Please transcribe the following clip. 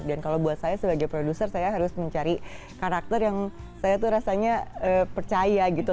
dan kalau buat saya sebagai produser saya harus mencari karakter yang saya tuh rasanya percaya gitu